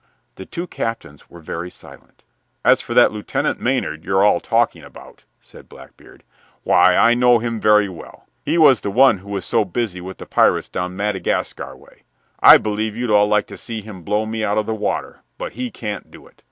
The two captains were very silent. "As for that Lieutenant Maynard you're all talking about," said Blackbeard, "why, I know him very well. He was the one who was so busy with the pirates down Madagascar way. I believe you'd all like to see him blow me out of the water, but he can't do it.